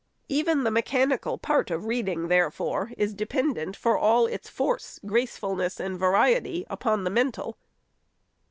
Even the mechanical part of reading, therefore, is dependent for all its force, gracefulness and variety upon the mental.